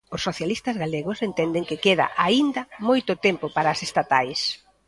Os socialistas galegos entenden que queda, aínda, moito tempo para as estatais.